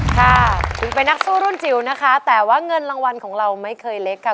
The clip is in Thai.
ค่ะถึงเป็นนักสู้รุ่นจิ๋วนะคะแต่ว่าเงินรางวัลของเราไม่เคยเล็กค่ะ